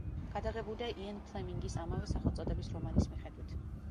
გადაღებულია იენ ფლემინგის ამავე სახელწოდების რომანის მიხედვით.